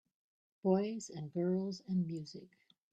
Boys and girls and music.